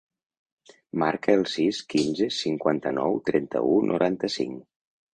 Marca el sis, quinze, cinquanta-nou, trenta-u, noranta-cinc.